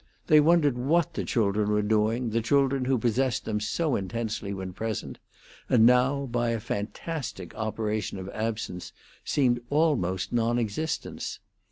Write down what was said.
They wondered what the children were doing, the children who possessed them so intensely when present, and now, by a fantastic operation of absence, seemed almost non existents.